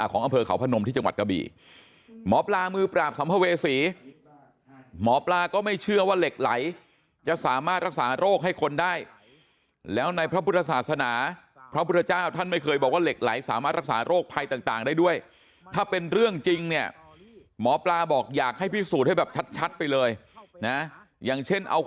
ของอำเภอเขาพนมที่จังหวัดกะบี่หมอปลามือปราบสัมภเวษีหมอปลาก็ไม่เชื่อว่าเหล็กไหลจะสามารถรักษาโรคให้คนได้แล้วในพระพุทธศาสนาพระพุทธเจ้าท่านไม่เคยบอกว่าเหล็กไหลสามารถรักษาโรคภัยต่างได้ด้วยถ้าเป็นเรื่องจริงเนี่ยหมอปลาบอกอยากให้พิสูจน์ให้แบบชัดไปเลยนะอย่างเช่นเอา